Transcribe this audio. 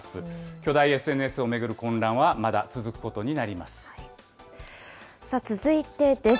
巨大ＳＮＳを巡る混乱はまだ続くさあ、続いてです。